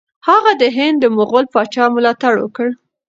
هغه د هند د مغول پاچا ملاتړ وکړ.